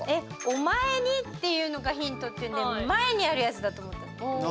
「お前に」っていうのがヒントっていうので前にあるやつだと思った。